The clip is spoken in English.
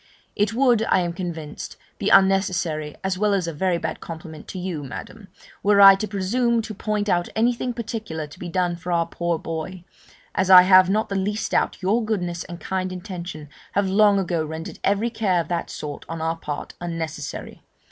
It would, I am convinced, be unnecessary, as well as a very bad compliment to you, Madam, were I to presume to point out anything particular to be done for our poor boy, as I have not the least doubt your goodness and kind intention have long ago rendered every care of that sort on our part unnecessary.